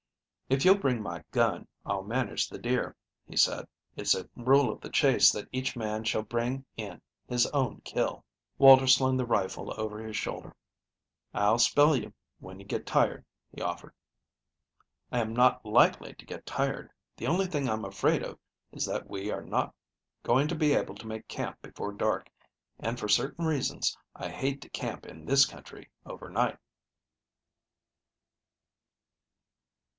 "If you'll bring my gun, I'll manage the deer," he said. "It's a rule of the chase that each man shall bring in his own kill." Walter slung the rifle over his shoulder. "I'll spell you when you get tired," he offered. "I am not likely to get tired. The only thing I'm afraid of is that we are not going to be able to make camp before dark, and, for certain reasons, I hate to camp in this country overnight."